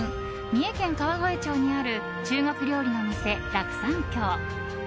三重県川越町にある中国料理の店、楽山居。